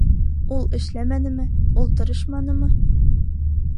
Ул эшләмәнеме, ул тырышманымы?